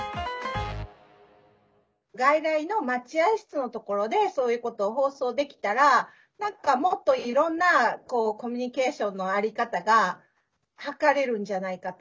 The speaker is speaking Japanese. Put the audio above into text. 外来の待合室のところでそういうことを放送できたら何かもっといろんなコミュニケーションのあり方が図れるんじゃないかと。